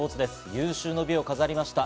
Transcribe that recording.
有終の美を飾りました